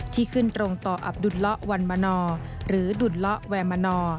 ที่ขึ้นตรงต่ออัพดุละวันมณอหรือดุละแวร์มณอ